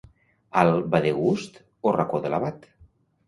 Al Vadegust o Racó de l'Abat?